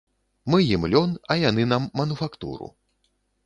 Мы ім лён, а яны нам мануфактуру.